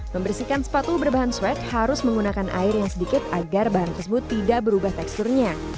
membersihkan sepatu berbahan sweck harus menggunakan air yang sedikit agar bahan tersebut tidak berubah teksturnya